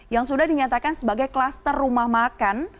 yang sudah dinyatakan sebagai kluster rumah makan